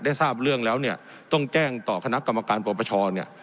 ทราบเรื่องแล้วเนี่ยต้องแจ้งต่อคณะกรรมการปรปชเนี่ย